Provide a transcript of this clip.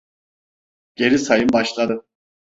Geri sayım başladı.